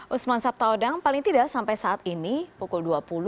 usman sabtaodang paling tidak sampai saat ini pukul dua puluh